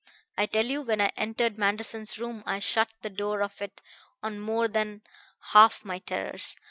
I tell you, when I entered Manderson's room I shut the door of it on more than half my terrors.